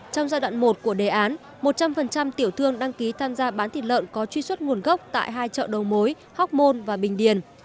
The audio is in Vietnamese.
trong giai đoạn một của đề án một trăm linh tiểu thương đăng ký tham gia bán thịt lợn có truy xuất nguồn gốc tại hai chợ đầu mối hóc môn và bình điền